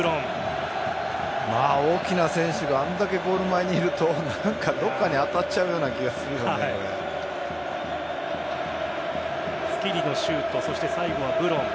大きな選手があれだけゴール前にいるとどこかに当たっちゃうようなスキリのシュートそして最後はブロン。